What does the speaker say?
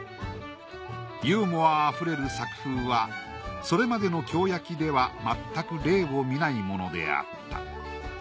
ユーモアあふれる作風はそれまでの京焼ではまったく例を見ないものであった。